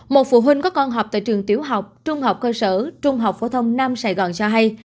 một phụ huynh có con học tại trường tiểu học trung học cơ sở trung học phổ thông nam sài gòn sa hay